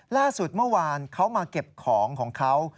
ล่าสุดเมื่อวานเขามาเก็บของของเขา